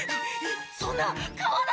そんな川だ！